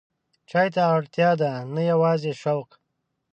چای ته اړتیا ده، نه یوازې شوق.